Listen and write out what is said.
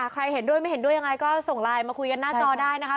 ใครเห็นด้วยไม่เห็นด้วยยังไงก็ส่งไลน์มาคุยกันหน้าจอได้นะคะ